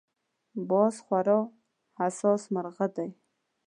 باز خورا حساس مرغه دی